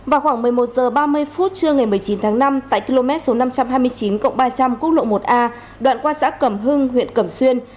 vào khoảng một mươi một h ba mươi phút trưa ngày một mươi chín tháng năm tại km năm trăm hai mươi chín ba trăm linh cung lộ một a đoạn qua xã cầm hưng huyện cầm xuyên